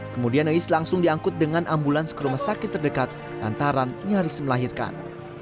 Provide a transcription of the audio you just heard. kemudian neis langsung diangkut dengan ambulans ke rumah sakit terdekat lantaran nyaris melahirkan